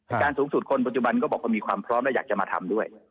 การสูงสุดคนปัจจุบันก็บอกว่ามีความพร้อมและอยากจะมาทำด้วย